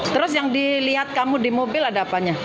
terus yang dilihat kamu di mobil ada apanya